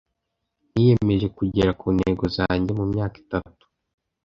Niyemeje kugera kuntego zanjye mumyaka itatu.